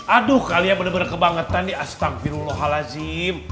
aduh kalian bener bener kebangetan nih astagfirullahaladzim